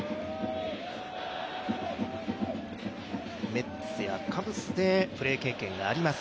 メッツやカブスでプレー経験があります